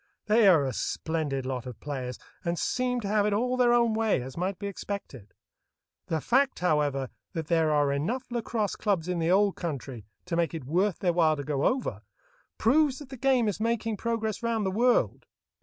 They are a splendid lot of players, and seem to have it all their own way, as might be expected. The fact, however, that there are enough lacrosse clubs in the Old Country to make it worth their while to go over, proves that the game is making progress round the world.